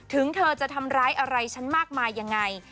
ถึงเธอจะทำร้ายอะไรฉันมากมายยังไง